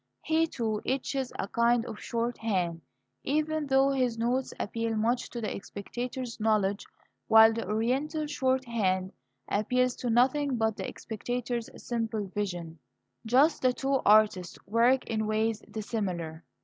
He too etches a kind of shorthand, even though his notes appeal much to the spectator's knowledge, while the Oriental shorthand appeals to nothing but the spectator's simple vision. Thus the two artists work in ways dissimilar.